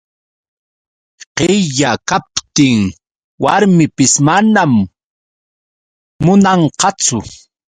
Qilla kaptin warmipis manam munanqachu.